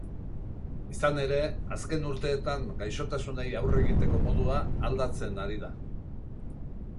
Izan ere, azken urteetan gaixotasunei aurre egiteko modua aldatzen ari da.